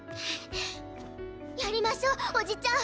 やりましょおじちゃん！